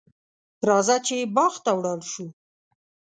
راځه چې باغ ته ولاړ شو.